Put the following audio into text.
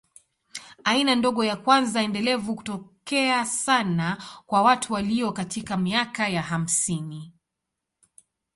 Aina ndogo ya kwanza endelevu hutokea sana kwa watu walio katika miaka ya hamsini.